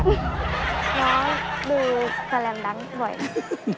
น้องดูแสลมดังบ่อยมาก